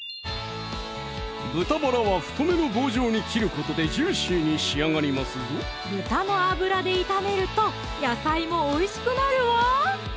豚バラは太めの棒状に切ることでジューシーに仕上がりますぞ豚の脂で炒めると野菜もおいしくなるわ！